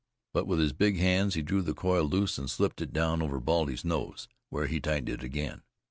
But with his big hands he drew the coil loose and slipped it down over Baldy's nose, where he tightened it again.